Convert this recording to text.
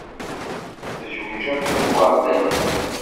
Tezwej akked uwerdani.